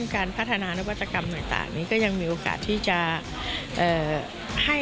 การพัฒนานวัตกรรมต่างนี้ก็ยังมีโอกาสที่จะให้